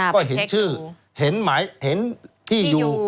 ก็เห็นชื่อเห็นที่อยู่